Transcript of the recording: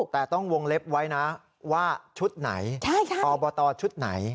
แต่ต้องวงเล็บไว้นะว่าชุดไหนอบตชุดไหน